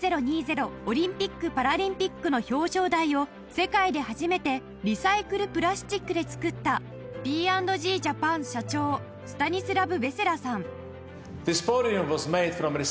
オリンピック・パラリンピックの表彰台を世界で初めてリサイクルプラスチックで作った Ｐ＆Ｇ ジャパン社長スタニスラブ・ベセラさん